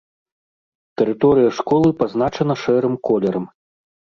Тэрыторыя школы пазначана шэрым колерам.